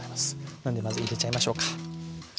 なんでまず入れちゃいましょうか。